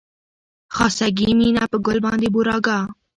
خاصګي مينه په ګل باندې بورا کا